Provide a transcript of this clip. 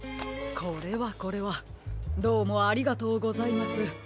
これはこれはどうもありがとうございます。